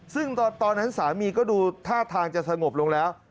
ซึ่งตอนนั้นสามีก็ดูท่าทางจะสงบลงแล้ว